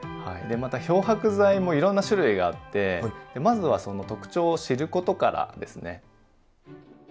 また漂白剤もいろんな種類があってまずはその特徴を知ることからですね。